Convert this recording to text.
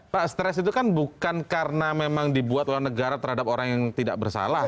pak stres itu kan bukan karena memang dibuat oleh negara terhadap orang yang tidak bersalah